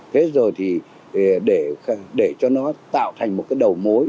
thế rồi thì để cho nó tạo thành một cái đầu mối